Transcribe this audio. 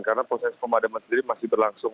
karena proses pemadaman sendiri masih berlangsung